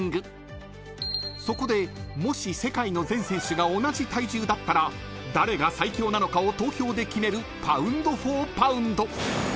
［そこでもし世界の全選手が同じ体重だったら誰が最強なのかを投票で決めるパウンド・フォー・パウンド］